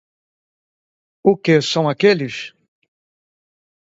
O quê, são aqueles?